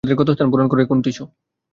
উদ্ভিদের ক্ষতস্থান পূরণ করে কোন টিস্যু?